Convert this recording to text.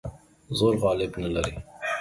زور غالب نه لري.